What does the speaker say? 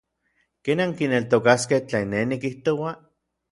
¿ken ankineltokaskej tlen nej nikijtoua?